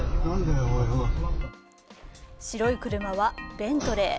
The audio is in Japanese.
白い車はベントレー。